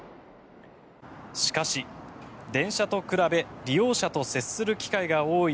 しかし、電車と比べ利用者と接する機会が多い